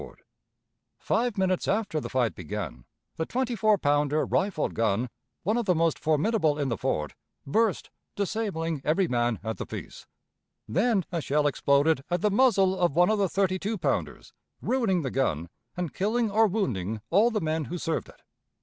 [Map of the Battlefield of Fort Donelson] Five minutes after the fight began, the twenty four pounder rifled gun, one of the most formidable in the fort, burst, disabling every man at the piece. Then a shell exploded at the muzzle of one of the thirty two pounders, ruining the gun, and killing or wounding all the men who served it.